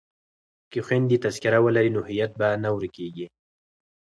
که خویندې تذکره ولري نو هویت به نه ورکيږي.